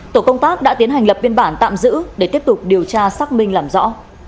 tổ công tác đã tiến hành lập biên bản tạm giữ để tiếp tục điều tra xác minh làm rõ